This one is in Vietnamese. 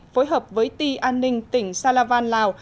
phối hợp với ti an ninh tỉnh salavan lào